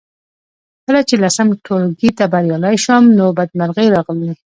کله چې لسم ټولګي ته بریالۍ شوم نو بدمرغۍ راغلې